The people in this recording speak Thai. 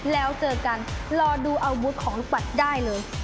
แล้วเจอกันรอดูอาวุธของลูกบัตรได้เลย